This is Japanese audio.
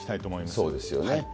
そうですよね。